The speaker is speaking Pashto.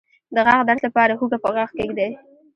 د غاښ درد لپاره هوږه په غاښ کیږدئ